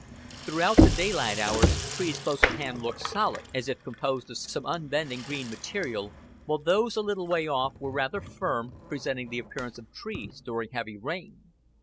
Throughout the daylight hours trees close at hand looked solid, as if composed of some unbending green material; while those a little way off were rather firm, presenting the appearance of trees during heavy rain.